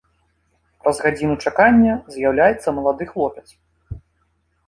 Праз гадзіну чакання з'яўляецца малады хлопец.